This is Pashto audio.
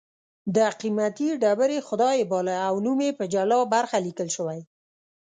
د قېمتي ډبرې خدای یې باله او نوم یې په جلا برخه لیکل شوی